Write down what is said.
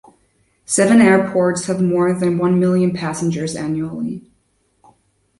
Seven airports have more than one million passengers annually.